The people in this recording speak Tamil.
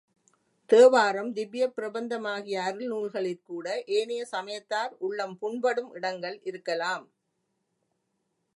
தேவாரம், திவ்யப் பிரபந்தமாகிய அருள் நூல்களிற்கூட ஏனைய சமயத்தார் உள்ளம் புண்படும் இடங்கள் இருக்கலாம்.